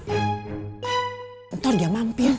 bentar dia mampir